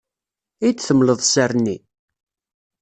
Ad yi-d-temleḍ sser-nni?